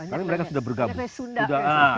karena mereka sudah bergabung